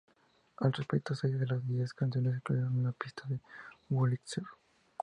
Al respecto, seis de las diez canciones incluyeron una pista de Wurlitzer.